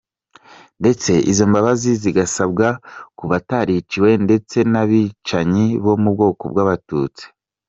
Ndetse izo mbabazi zigasabwa ku batariciwe ndetse n’abicanyi bo mu bwoko bw’abatutsi